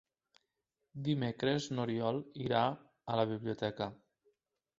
Dimecres n'Oriol irà a la biblioteca.